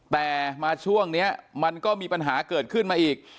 แต่มาช่วงนี้มันก็มีปัญหาเกิดขึ้นมาอีก